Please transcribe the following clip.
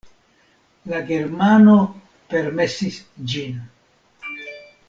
La germano permesis ĝin.